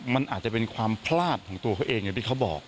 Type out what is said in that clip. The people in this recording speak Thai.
มันอาจจะเป็นความพลาดของตัวเขาเองอย่างที่เขาบอก